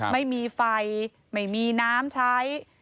ไม่มีไฟไม่มีน้ำใช้